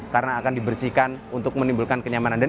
karena akan dibersihkan untuk menimbulkan kenyamanan